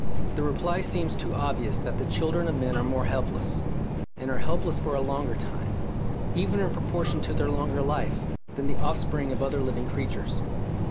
The reply seems too obvious that the children of men are more helpless, and are helpless for a longer time, even in proportion to their longer life, than the off spring of other living creatures.